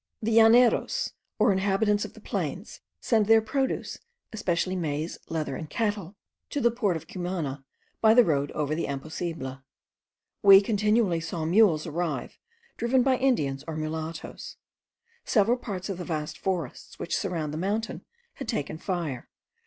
The Llaneros, or inhabitants of the plains, send their produce, especially maize, leather, and cattle, to the port of Cumana by the road over the Imposible. We continually saw mules arrive, driven by Indians or mulattoes. Several parts of the vast forests which surround the mountain, had taken fire.